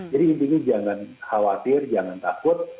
jadi intinya jangan khawatir jangan takut